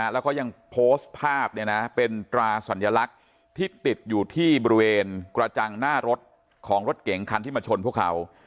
แล้วก็ยังโพสต์ภาพเป็นตราสัญลักษณ์ที่ติดอยู่ที่บริเวณกระจังหน้ารถของรถเก๋งคันที่มาชนพวกเขา